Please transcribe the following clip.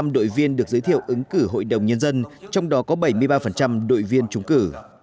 một mươi đội viên được giới thiệu ứng cử hội đồng nhân dân trong đó có bảy mươi ba đội viên trúng cử